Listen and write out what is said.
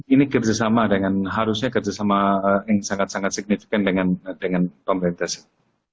ini kerjasama dengan harusnya kerjasama yang sangat sangat signifikan dengan pemerintah sendiri